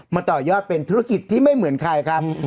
ต่อยอดเป็นธุรกิจที่ไม่เหมือนใครครับ